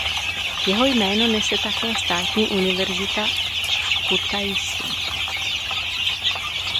Jeho jméno nese také státní univerzita v Kutaisi.